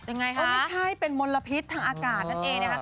ยังไงคะเออไม่ใช่เป็นมลพิษทางอากาศนั่นเองนะคะ